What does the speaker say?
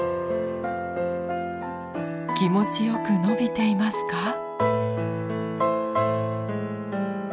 気持ちよく伸びていますか？